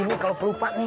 lupa kalau perlupa nih